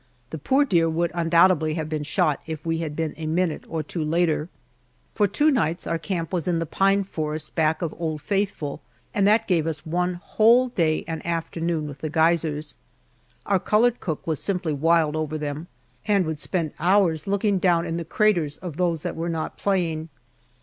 The poor deer would undoubtedly have been shot if we had been a minute or two later. For two nights our camp was in the pine forest back of "Old Faithful," and that gave us one whole day and afternoon with the geysers. Our colored cook was simply wild over them, and would spend hours looking down in the craters of those that were not playing.